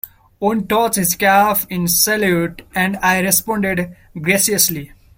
One touched his cap in salute, and I responded graciously.